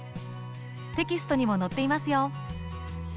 テキストにも載っていますよ。